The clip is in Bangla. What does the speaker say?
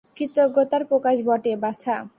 কৃতজ্ঞতার প্রকাশ বটে, বাছা।